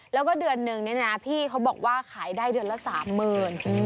แล้วก็เดือนนึงเนี่ยนะพี่เขาบอกว่าขายได้เดือนละ๓๐๐๐บาท